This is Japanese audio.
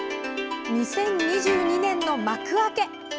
２０２２年の幕開け。